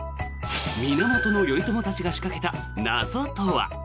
源頼朝たちが仕掛けた謎とは。